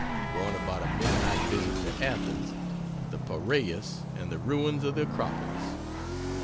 1 about a midnight visit to Athens, the Piraeus and the ruins of the Acropolis.